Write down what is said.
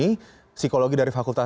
psikologi dari fakultas